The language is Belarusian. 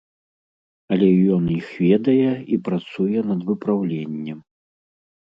Але ён іх ведае і працуе над выпраўленнем!